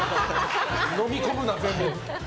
のみ込むな、全部。